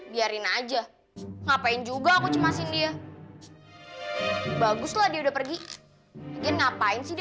biarin aja ngapain juga aku cemasin dia baguslah dia udah pergi dia ngapain sih dia